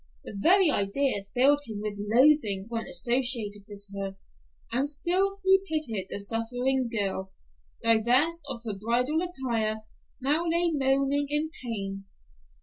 The very idea filled him with loathing when associated with her, and still he pitied the suffering girl, who, divested of her bridal attire, now lay moaning in pain.